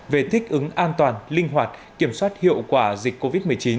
về thích ứng an toàn linh hoạt kiểm soát hiệu quả dịch covid một mươi chín